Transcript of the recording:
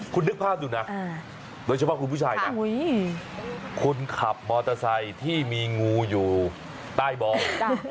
คุณนึกภาพดูนะโดยเฉพาะคุณผู้ชายนะคนขับมอเตอร์ไซค์ที่มีงูอยู่ใต้บอง